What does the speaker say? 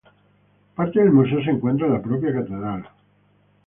Parte del museo se encuentra en la propia catedral.